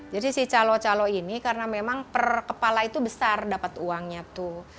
jadi si calo calo ini karena memang per kepala itu besar dapat uangnya tuh